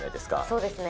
そうですね。